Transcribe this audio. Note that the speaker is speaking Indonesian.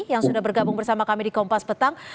yang sudah bergabung bersama kami di kompas petang